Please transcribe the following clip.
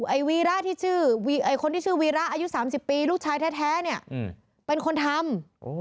ไอ้วีระที่ชื่อคนที่ชื่อวีระอายุ๓๐ปีลูกชายแท้เนี่ยเป็นคนทำ